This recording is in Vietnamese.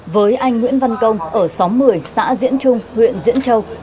với anh nguyễn văn công ở xóm một mươi xã diễn trung huyện diễn châu